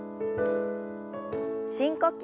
深呼吸。